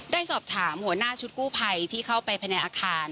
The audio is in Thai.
ได้สอบถามหัวหน้าชุดกู้ภัยที่เข้าไปภายในอาคาร